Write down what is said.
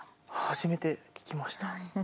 初めて聞きました。